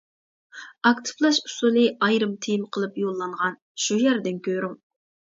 ئاكتىپلاش ئۇسۇلى ئايرىم تېما قىلىپ يوللانغان، شۇ يەردىن كۆرۈڭ.